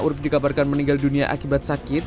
urib dikabarkan meninggal dunia akibat sakit